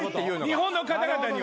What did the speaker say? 日本の方々には。